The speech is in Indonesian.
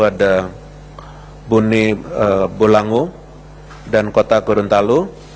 ada bune bolangu dan kota gorontalo